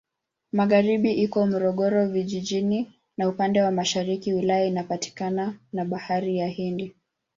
Magharibi iko Morogoro Vijijini na upande wa mashariki wilaya inapakana na Bahari ya Hindi.